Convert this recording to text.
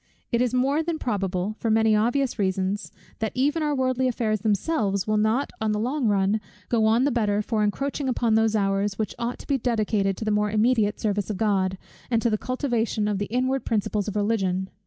It is more than probable, for many obvious reasons, that even our worldly affairs themselves will not on the long run, go on the better for encroaching upon those hours, which ought to be dedicated to the more immediate service of God, and to the cultivation of the inward principles of Religion.